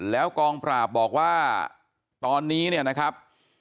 แล้วกองปราบบอกว่าตอนนี้เนี่ยนะครับ